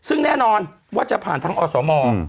ซึ่งแน่นอนว่าจะผ่านทางอสม